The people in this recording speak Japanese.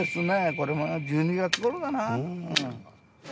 これは１２月ごろだな。